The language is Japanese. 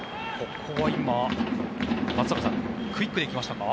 ここは今、松坂さんクイックで行きましたか？